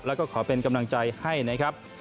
แล้วก็ขอเป็นกำลังใจให้นะครับ